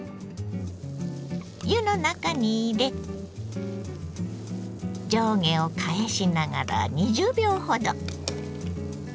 湯の中に入れ上下を返しながら２０秒ほど。